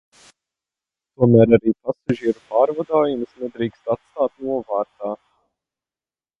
Tomēr arī pasažieru pārvadājumus nedrīkst atstāt novārtā.